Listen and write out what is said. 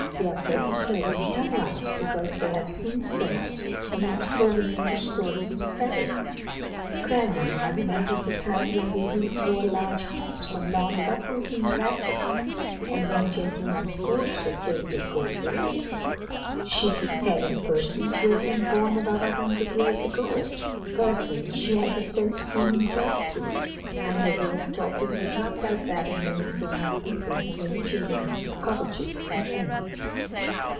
They are pleasanter than young ones, because they have seen so much, and have so many old stories to tell. Grandmamma remembered the time when ladies wore large hoops and long ruffles and lappets, and when gentlemen's coats were trimmed with gold lace. She could tell of persons who had been born above a hundred years ago, persons she had herself seen and talked to; and her way of talking was not like that of many grown up people who make children covetous and envious.